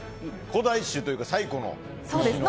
古代種というか最古の。